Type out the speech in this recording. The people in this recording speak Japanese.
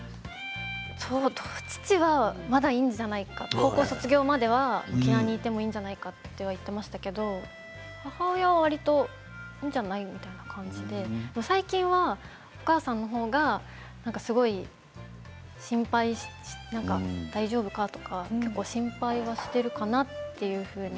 父は、まだいいんじゃないかと高校卒業までは沖縄にいてもいいんじゃないかと言っていましたけれども母親は、わりといいんじゃない？みたいな感じで最近はお母さんの方がすごい心配して大丈夫か？とか結構心配しているかな